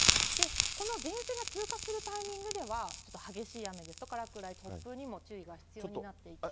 この前線が通過するタイミングでは、ちょっと激しい雨ですとか、落雷、突風にも注意が必要になっています。